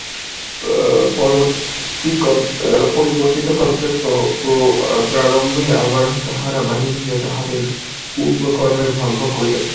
পরবর্তিকল্পের প্রারম্ভে আবার তাহারা বাহির হইয়া তাহাদের পূর্ব কর্মের ফলভোগ করিয়া থাকে।